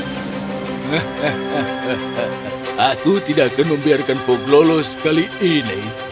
hehehehe aku tidak akan membiarkan fog lolos kali ini